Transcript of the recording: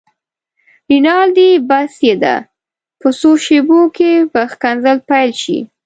رینالډي: بس یې ده، په څو شېبو کې به ښکنځل پيل شي.